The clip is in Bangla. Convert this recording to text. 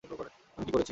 আমি কি করেছি?